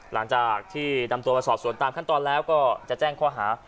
หลังจากที่นำตัวมาสอบสวนตามขั้นตอนแล้วก็จะแจ้งข้อหา